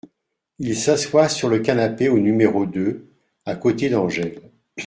Il s’asseoit sur le canapé au n° deux, à côté d’Angèle.